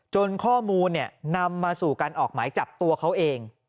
ข้อมูลนำมาสู่การออกหมายจับตัวเขาเอง